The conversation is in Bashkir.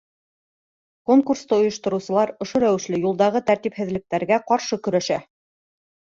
Конкурсты ойоштороусылар ошо рәүешле юлдағы тәртипһеҙлектәргә ҡаршы көрәшә.